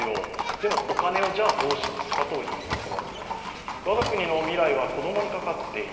でもお金をじゃあどうしますかというところ。